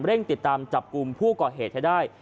ติดตามจับกลุ่มผู้ก่อเหตุให้ได้